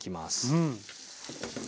うん。